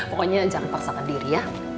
pokoknya jangan paksakan diri ya